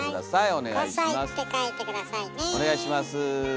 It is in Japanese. お願いします。